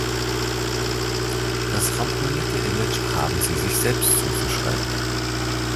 Das ramponierte Image haben sie sich selbst zuzuschreiben.